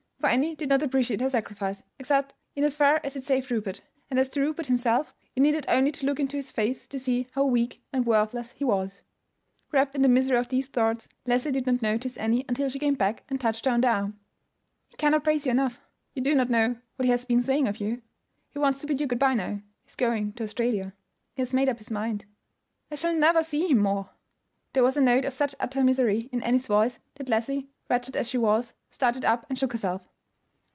For Annie did not appreciate her sacrifice, except in as far as it saved Rupert; and as to Rupert himself, it needed only to look into his face to see how weak and worthless he was. Wrapped in the misery of these thoughts, Leslie did not notice Annie until she came back and touched her on the arm. "He cannot praise you enough. You do not know what he has been saying of you. He wants to bid you good by now. He is going to Australia; he has made up his mind. I shall never see him more." There was a note of such utter misery in Annie's voice that Leslie, wretched as she was, started up and shook herself.